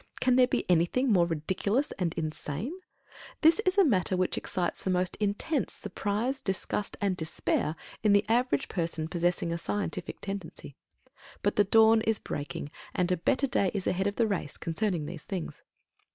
Can there be anything more ridiculous and insane? This is a matter which excites the most intense surprise, disgust, and despair in the average person possessing a scientific tendency. But the dawn is breaking, and a better day is ahead of the race concerning these things.